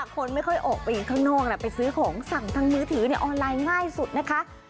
คนไม่ค่อยออกไปข้างนอกไปซื้อของสั่งทางมือถือออนไลน์ง่ายสุดนะคะ